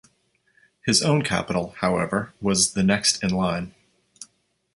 His own capital, however, was the next in line.